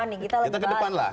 nggak bahas koalisi perubahan nih